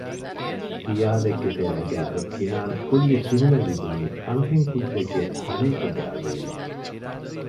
ހިޔާލެއްގެ ތެރޭގައި އޮތް ކިނާން ކުއްލި ސިހުމެއް ލިބުނީ އަންހެން ކުއްޖެއްގެ ހަޅޭކުގެ އަޑުއިވިފަ